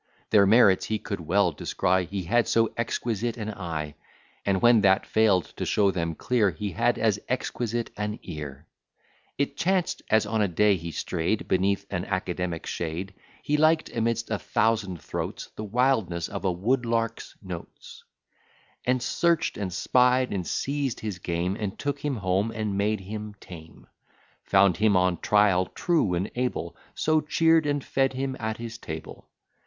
Their merits he could well descry, He had so exquisite an eye; And when that fail'd to show them clear, He had as exquisite an ear; It chanced as on a day he stray'd Beneath an academic shade, He liked, amidst a thousand throats, The wildness of a Woodlark's notes, And search'd, and spied, and seized his game, And took him home, and made him tame; Found him on trial true and able, So cheer'd and fed him at his table.